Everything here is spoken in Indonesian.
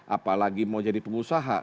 apalagi mau jadi pengusaha